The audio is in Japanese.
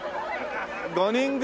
５人組？